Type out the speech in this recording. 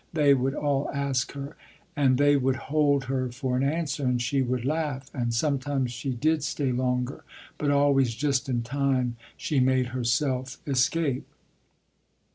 they would all ask her, and they would hold her for an answer, and she would laugh, and sometimes she did stay longer, but always just in time she made herself escape.